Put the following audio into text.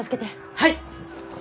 はい！